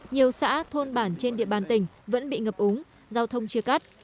nhiều xã thôn bản trên địa bàn tỉnh vẫn bị ngập úng giao thông chia cắt